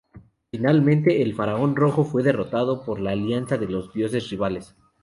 Finalmente, el Faraón Rojo fue derrotado por la alianza de los dioses rivales.